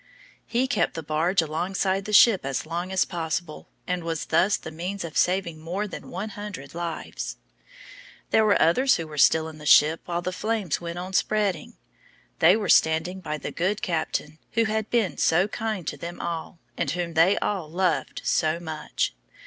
He kept the barge alongside the ship as long as possible, and was thus the means of saving more than one hundred lives! There were others who were still in the ship while the flames went on spreading. They were standing by the good captain, who had been so kind to them all, and whom they all loved so much.